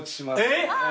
えっ！